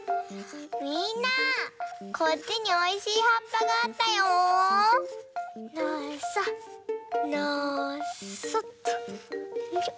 みんなこっちにおいしいはっぱがあったよ！のそのそっとよいしょ。